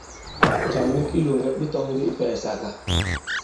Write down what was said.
Jàm nik i ilòŋgɛ di tɔ̄ŋ ndi ifɛ̀ɛ̀sàgà.